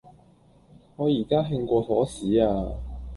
我而家興過火屎呀